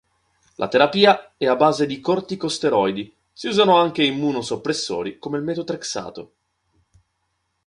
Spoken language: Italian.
La terapia è a base di corticosteroidi; si usano anche immunosoppressori come il metotrexato.